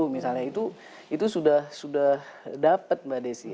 misalnya itu sudah dapat mbak desi